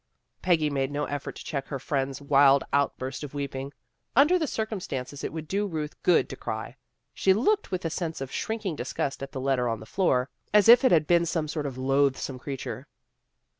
Peggy made no effort to check her friend's wild outburst of weeping. Under the circum stances it would do Ruth good to cry. She looked with a sense of shrinking disgust at the letter on the floor, as if it had been some sort of loathsome creature.